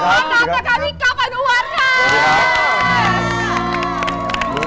ไม่ได้